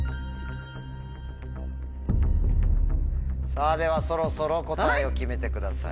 さぁではそろそろ答えを決めてください。